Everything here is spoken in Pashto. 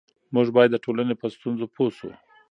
موږ باید د ټولنې په ستونزو پوه سو.